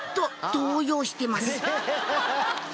動揺してます